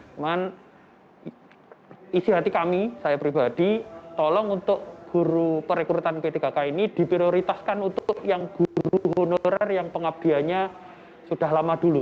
cuman isi hati kami saya pribadi tolong untuk guru perekrutan p tiga k ini diprioritaskan untuk yang guru honorer yang pengabdianya sudah lama dulu